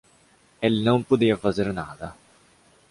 Ele não podia fazer nada